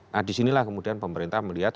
nah disinilah kemudian pemerintah melihat